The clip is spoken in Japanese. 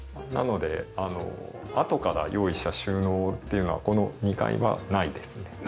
なのであとから用意した収納っていうのはこの２階はないですね。